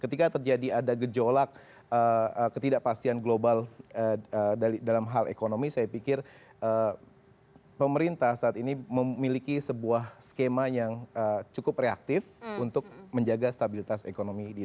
ketika terjadi ada gejolak ketidakpastian global dalam hal ekonomi saya pikir pemerintah saat ini memiliki sebuah skema yang cukup reaktif untuk menjaga stabilitas ekonomi di indonesia